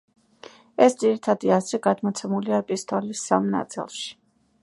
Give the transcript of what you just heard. ეს ძირითადი აზრი გადმოცემულია ეპისტოლის სამ ნაწილში.